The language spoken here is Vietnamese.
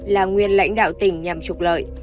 là nguyên lãnh đạo tỉnh nhằm trục lợi